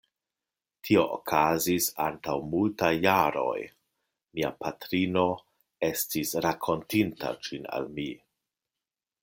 Tio okazis antaŭ multaj jaroj; mia patrino estis rakontinta ĝin al mi.